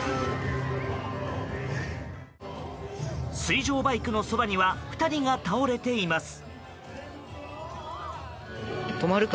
水上バイクのそばには２人が倒れています。